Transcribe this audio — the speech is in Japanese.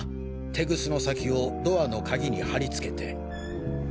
テグスの先をドアの鍵にはりつけて。